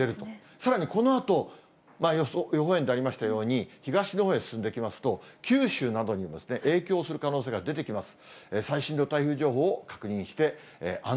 さらにこのあと、予報円でありましたように、東のほうへ進んできますと、九州などにも影響する可能性が出てきます。